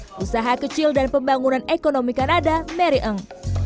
menteri perdagangan raha kecil dan pembangunan ekonomi kanada mary ng